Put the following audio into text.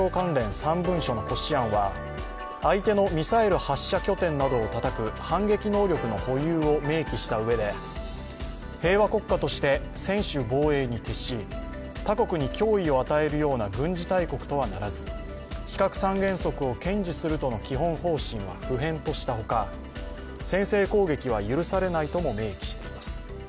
３文書の骨子案は、相手のミサイル発射拠点などをたたく反撃能力の保有を明記したうえで平和国家として、専守防衛に徹し他国に脅威を与えるような軍事大国とはならず非核三原則を堅持するとの基本方針は不変としたほか先制攻撃は許されないとも明記しています。